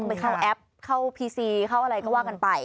ไปเข้าแอปเข้าพีซีเข้าอะไรก็ว่ากันไป